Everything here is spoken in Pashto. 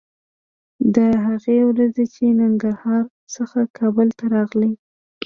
د هغې ورځې چې له ننګرهار څخه کابل ته راغلې